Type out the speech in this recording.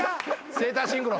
セーターシンクロ。